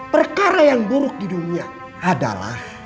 perkara yang buruk di dunia adalah